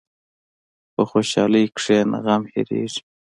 په خوشحالۍ کښېنه، غم هېرېږي.